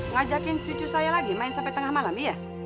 ngajakin cucu saya lagi main sampai tengah malam iya